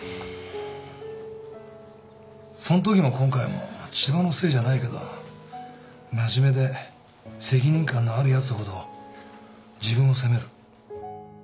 そんときも今回も千葉のせいじゃないけどまじめで責任感のあるやつほど自分を責める。